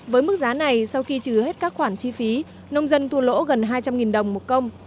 với mức giá này sau khi trừ hết các khoản chi phí nông dân thua lỗ gần hai trăm linh đồng một công